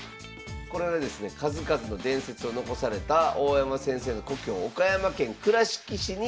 これはですね数々の伝説を残された大山先生の故郷岡山県・倉敷市に記念館があります。